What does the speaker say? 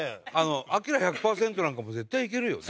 アキラ１００％なんかも絶対いけるよね。